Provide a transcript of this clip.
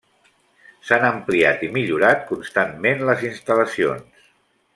S'han ampliat i millorat constantment les instal·lacions.